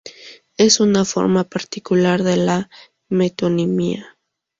Es una forma particular de la metonimia.